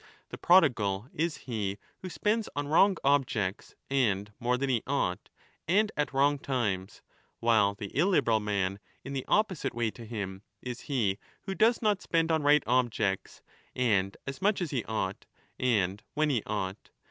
The prodigal is he who spends on wrong objects and more than he ought and at wrong times, while the illiberal man, in the opposite way to him, is he who does not spend on right objects and as much as he ought 5 and when he ought.